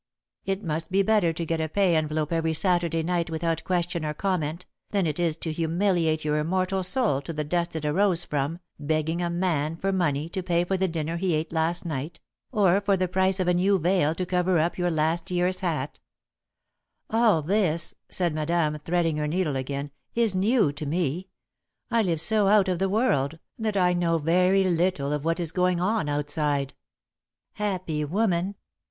It must be better to get a pay envelope every Saturday night without question or comment, than it is to humiliate your immortal soul to the dust it arose from, begging a man for money to pay for the dinner he ate last night, or for the price of a new veil to cover up your last year's hat." [Sidenote: Defiance] "All this," said Madame, threading her needle again, "is new to me. I live so out of the world, that I know very little of what is going on outside." "Happy woman!